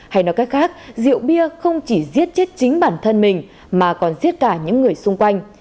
hay nói cách khác rượu bia không chỉ giết chết chính bản thân mình mà còn giết cả những người xung quanh